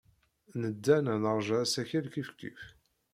Nedda neɣ neṛja asakal kifkif.